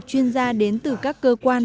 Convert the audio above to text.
chuyên gia đến từ các cơ quan